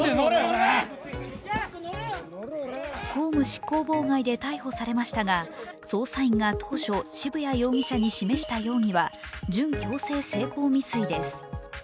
公務執行妨害で逮捕されましたが、捜査員が当初渋谷容疑者に示した容疑は準強制性交未遂です。